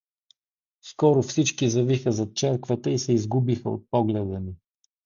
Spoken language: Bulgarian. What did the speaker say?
Скоро всички завиха зад черквата и се изгубиха от погледа ми.